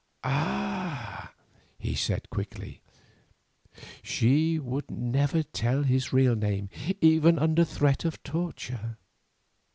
"Ah!" he said quickly, "she would never tell his real name, even under threat of torture.